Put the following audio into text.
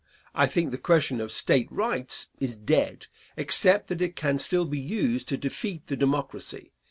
I think the question of State Rights is dead, except that it can still be used to defeat the Democracy.